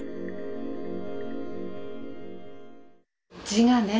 字がね。